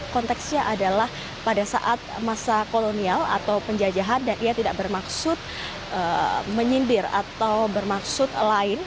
konteksnya adalah pada saat masa kolonial atau penjajahan dan ia tidak bermaksud menyindir atau bermaksud lain